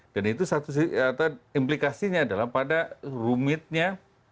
dan itu satu implikasinya adalah pada rumitnya